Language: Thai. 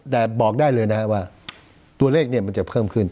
แต่บอกได้เลยนะว่าตัวเลขมันจะเพิ่มขึ้น